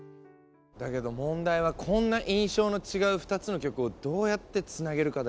だけど問題はこんな印象の違う２つの曲をどうやってつなげるかだよな。